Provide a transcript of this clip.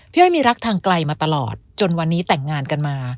อ้อยมีรักทางไกลมาตลอดจนวันนี้แต่งงานกันมา